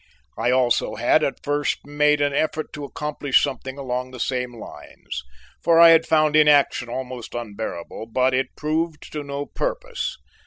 I also had at first made an effort to accomplish something along the same lines, for I had found inaction almost unbearable, but it proved to no purpose.